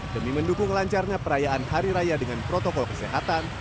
demi mendukung lancarnya perayaan hari raya dengan protokol kesehatan